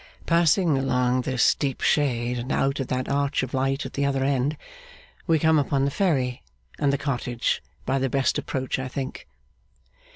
Passing along this deep shade, and out at that arch of light at the other end, we come upon the ferry and the cottage by the best approach, I think.